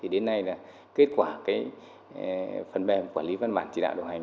đến nay là kết quả phần mềm quản lý văn bản chỉ đạo điều hành